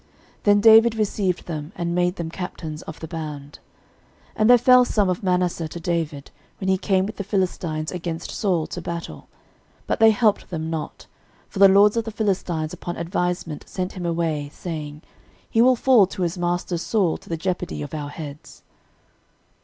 Then David received them, and made them captains of the band. 13:012:019 And there fell some of Manasseh to David, when he came with the Philistines against Saul to battle: but they helped them not: for the lords of the Philistines upon advisement sent him away, saying, He will fall to his master Saul to the jeopardy of our heads.